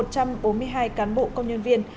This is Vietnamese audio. một trăm bốn mươi hai cán bộ công nhân viên